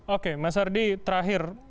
oke mas ardi terakhir